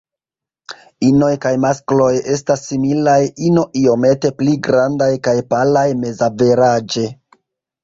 Inoj kaj maskloj estas similaj, ino iomete pli grandaj kaj palaj mezaveraĝe.